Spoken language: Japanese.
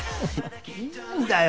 いいんだよ